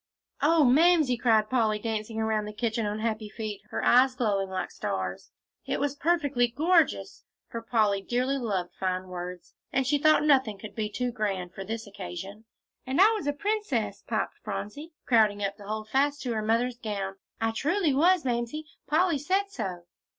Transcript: "Oh, Mamsie!" cried Polly, dancing around the kitchen on happy feet, her eyes glowing like stars, "it was perfectly gorgeous!" for Polly dearly loved fine words, and she thought nothing could be too grand for this occasion. "And I was a princess," piped Phronsie, crowding up to hold fast to her mother's gown. "I truly was, Mamsie. Polly said so."